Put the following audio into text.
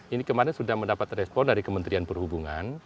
ini kemarin sudah mendapat respon dari kementerian perhubungan